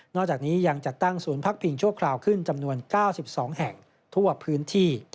จากนี้ยังจัดตั้งศูนย์พักพิงชั่วคราวขึ้นจำนวน๙๒แห่งทั่วพื้นที่